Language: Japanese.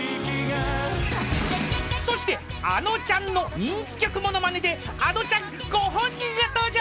［そしてあのちゃんの人気曲ものまねであのちゃんご本人が登場］